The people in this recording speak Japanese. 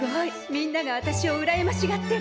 みんなが私をうらやましがってる！